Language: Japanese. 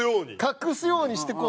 隠すようにしてこう。